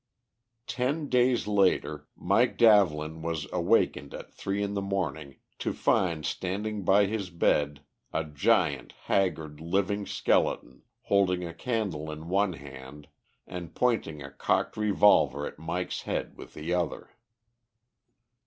Ten days later, Mike Davlin was awakened at three in the morning, to find standing by his bed a gaunt, haggard living skeleton, holding a candle in one hand, and pointing a cocked revolver at Mike's head with the other.